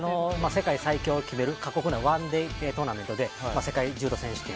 世界最強を決める過酷なワンデートーナメントで世界柔道選手権。